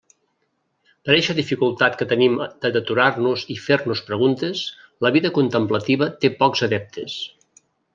Per eixa dificultat que tenim de deturar-nos i fer-nos preguntes, la vida contemplativa té pocs adeptes.